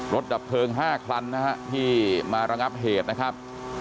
ดับเพลิง๕คันนะฮะที่มาระงับเหตุนะครับ